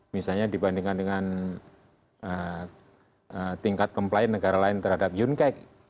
misalnya dibandingkan dengan tingkat pemperlahan negara lain terhadap yunkek